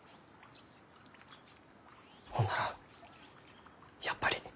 ほんならやっぱり。